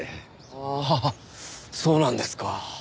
ああそうなんですか。